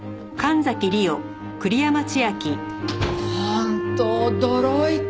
本当驚いた！